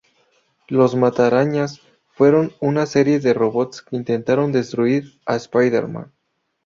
Los Mata arañas fueron una serie de robots que intentaron destruir a Spider-Man.